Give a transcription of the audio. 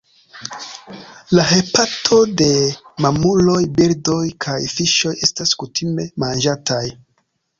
La hepato de mamuloj, birdoj kaj fiŝoj estas kutime manĝataj.